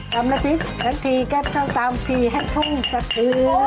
ทำละทิศทั้งทีก็ต้องตามทีให้ทุ่งสักครู่